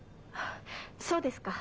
そうですか。